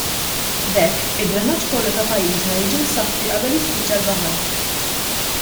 B'hekk id-dranaġġ kollu ta' pajjiżna jiġi msaffi qabel jispiċċa l-baħar.